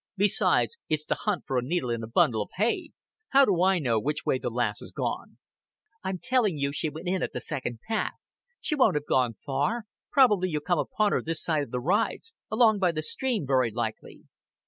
Besides, it's to hunt for a needle in a bundle of hay. How do I know which way the lass has gone?" "I'm telling you she went in at the second path. She won't have gone far. Probably you'll come upon her this side of the rides along by the stream, very likely."